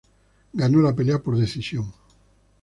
Ganó la pelea por decisión.